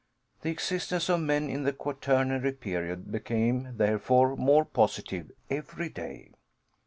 The existence of men in the Quaternary period became, therefore, more positive every day.